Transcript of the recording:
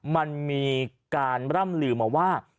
มันมีการร่ำลือมาว่า